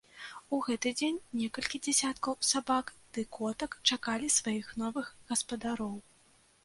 У гэты дзень некалькі дзясяткаў сабак ды котак чакалі сваіх новых гаспадароў.